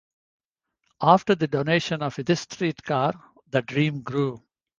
After the donation of this streetcar, the dream grew.